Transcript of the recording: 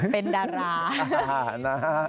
เป็นดารา